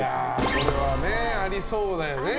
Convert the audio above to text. これはありそうだよね。